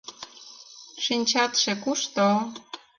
Шинчатше кушто?